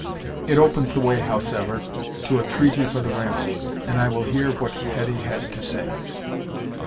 It opens the way, howsever, to a treaty for the ransom, and I will hear what Hetty has to say."